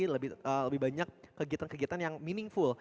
lebih banyak kegiatan kegiatan yang meaningful